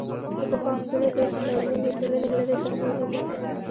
په پخوا وختونو کې جذامیان له ټولنې لرې ساتل کېدل.